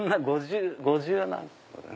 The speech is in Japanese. ５０何個。